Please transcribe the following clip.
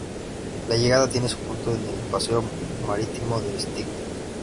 La llegada tiene su punto en el paseo marítimo de Sitges.